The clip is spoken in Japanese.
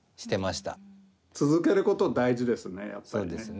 続けること大事ですねやっぱりね。